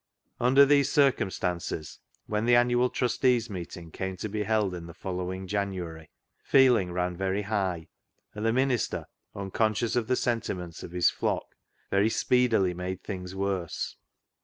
Under these circumstances, when the Annual Trustees' Meeting came to be held in the follow ing January, feeling ran very high, and the minister, unconscious of the sentiments of his flock, very speedily made things worse.